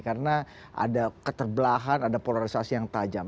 karena ada keterbelahan ada polarisasi yang tajam